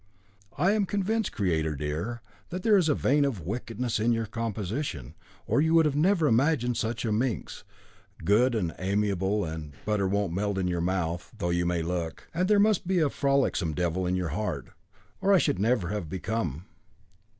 "I am convinced, creator dear, that there is a vein of wickedness in your composition, or you would never have imagined such a minx, good and amiable and butter won't melt in your mouth though you may look. And there must be a frolicsome devil in your heart, or I should never have become."